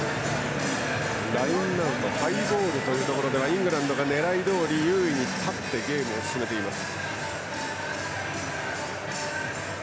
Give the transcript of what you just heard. ラインアウトハイボールというところではイングランドが狙いどおり優位に立ってゲームを進めています。